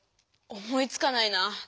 思いつかないな。